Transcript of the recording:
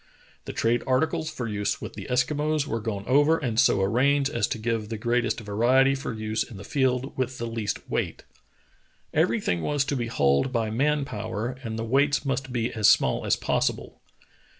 The trade articles for use with the Eskimos were gone over and so arranged as to give the greatest vari ety for use in the field with the least weight. Every thing was to be hauled by man power and the weights must be as small as possible.